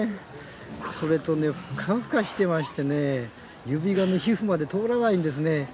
それとね、ふかふかしてましてね指が皮膚まで通らないんですね。